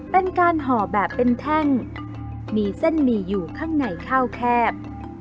ห่อแบบเป็นแท่งมีเส้นหมี่อยู่ข้างในข้าวแคบ